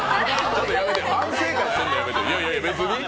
反省会するの、やめて。